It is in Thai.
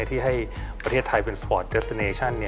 ที่ให้ประเทศไทยเป็นโดยดูกองศ์